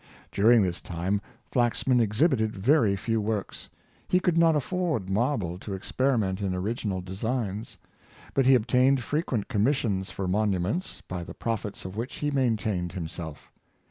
During this time Flax man exhibited very few works. He could not afford marble to experiment in original designs; but he ob tained frequent commissions for monuments, by the profits of which he maintained himself.